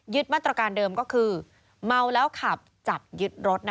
มาตรการเดิมก็คือเมาแล้วขับจัดยึดรถ